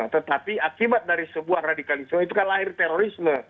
tetapi akibat dari sebuah radikalisme itu kan lahir terorisme